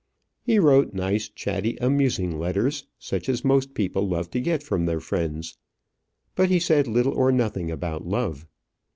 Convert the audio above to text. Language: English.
He wrote nice, chatty, amusing letters, such as most people love to get from their friends; but he said little or nothing about love.